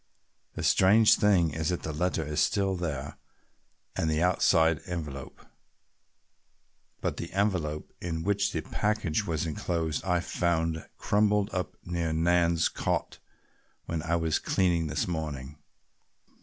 The strange thing is that the letter is still there and the outside envelope, but the envelope in which the package was enclosed I found crumpled up near Nan's cot when I was cleaning this morning."